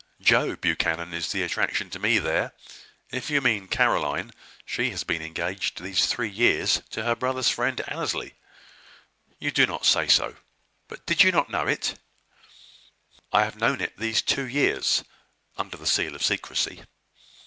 "Joe Buchanan is the attraction to me there. If you mean Caroline, she has been engaged these three years to her brother's friend, Annesley." "You do not say so! But you did not know it?" "I have known it these two years, under the seal of secrecy.